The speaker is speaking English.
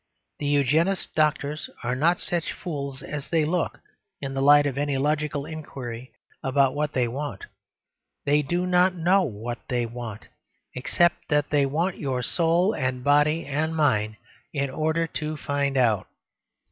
The Eugenist doctors are not such fools as they look in the light of any logical inquiry about what they want. They do not know what they want, except that they want your soul and body and mine in order to find out.